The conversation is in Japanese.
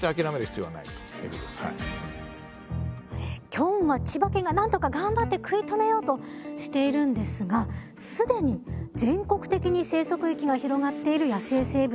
キョンは千葉県がなんとか頑張って食い止めようとしているんですが既に全国的に生息域が広がっている野生生物がいるんです。